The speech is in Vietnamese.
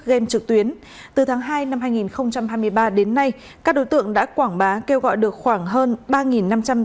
game trực tuyến từ tháng hai năm hai nghìn hai mươi ba đến nay các đối tượng đã quảng bá kêu gọi được khoảng hơn ba năm trăm linh